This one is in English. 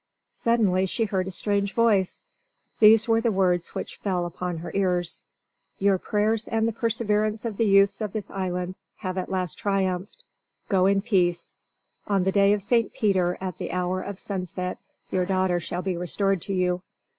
Suddenly she heard a strange voice. These were the words which fell upon her ears: "Your prayers and the perseverance of the youths of the island have at last triumphed. Go in peace. On the day of St. Peter at the hour of sunset your daughter shall be restored to you.